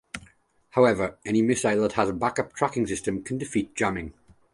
However, any missile that has a back up tracking system can defeat jamming.